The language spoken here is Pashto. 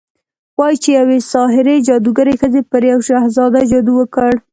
وايي چې يوې ساحرې، جادوګرې ښځې پر يو شهزاده جادو وکړ